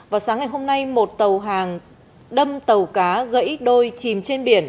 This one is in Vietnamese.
vào sáng ngày hôm nay một tàu hàng đâm tàu cá gãy đôi chìm trên biển